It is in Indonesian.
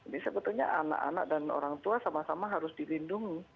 jadi sebetulnya anak anak dan orang tua sama sama harus dilindungi